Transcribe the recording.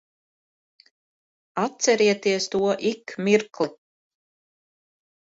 Atcerieties to ik mirkli.